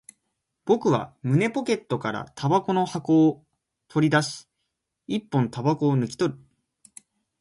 僕は胸ポケットから煙草の箱を取り出し、一本煙草を抜き取る